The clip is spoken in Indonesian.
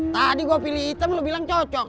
tadi gua pilih hitam lu bilang cocok